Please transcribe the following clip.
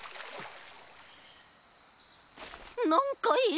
なんかいる！